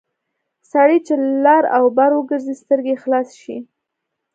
سړی چې لر او بر وګرځي سترګې یې خلاصې شي...